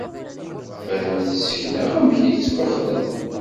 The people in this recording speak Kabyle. Ad m-d-sekneɣ amek i yettwaxdem.